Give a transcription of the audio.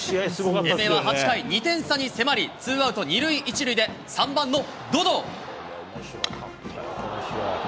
英明は８回、２点差に迫り、ツーアウト２塁１塁で３番の百々。